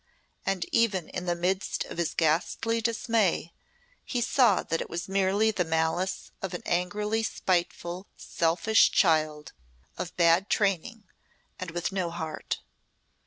And even in the midst of his ghastly dismay he saw that it was merely the malice of an angrily spiteful selfish child of bad training and with no heart.